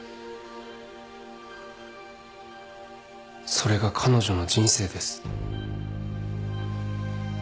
それが彼女の人生です。